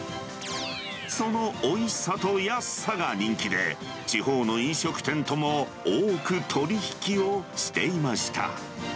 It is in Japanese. そのおいしさと安さが人気で、地方の飲食店とも多く取り引きをしていました。